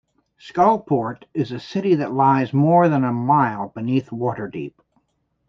"Skullport" is a city that lies more than a mile beneath Waterdeep.